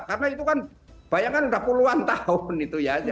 karena itu kan bayangkan udah puluhan tahun itu ya